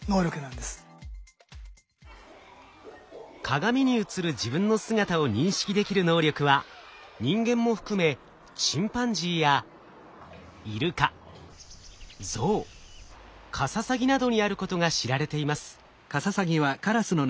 鏡に映る自分の姿を認識できる能力は人間も含めチンパンジーやイルカゾウカササギなどにあることが知られています。